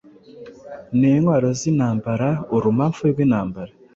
Nintwaro zintambaraurumamfu rwintambara